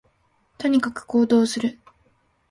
とにかく行動する